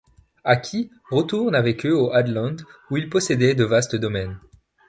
Haki retourne avec eux au Hadeland où il possédait de vastes domaines.